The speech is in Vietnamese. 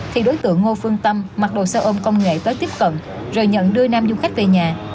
thì đối tượng ngô phương tâm mặc đồ xe ôm công nghệ tới tiếp cận rồi nhận đưa nam du khách về nhà